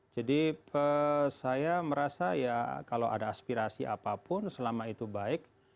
jadi saya merasa ya kalau ada aspirasi apapun selama itu baik